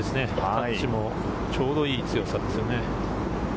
タッチもちょうどいい強さですよね。